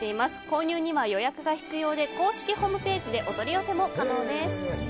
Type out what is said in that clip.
購入には予約が必要で公式ホームページでお取り寄せも可能です。